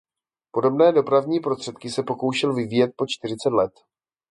Podobné dopravní prostředky se pokoušel vyvíjet po čtyřicet let.